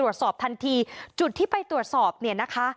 ตรวจสอบทันทีจุดที่ไปตรวจสอบเนี่ยนะคะ